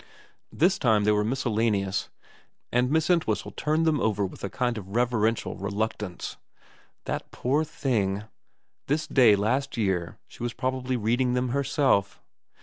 This time they were miscellaneous, and Miss Ent whistle turned them over with a kind of reverential reluctance. That poor thing ; this day last year she was probably reading them herself.